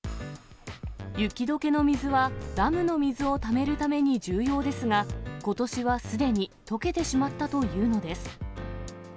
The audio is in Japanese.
雪どけの水はダムの水をためるために重要ですが、ことしはすでにとけてしまったというのです。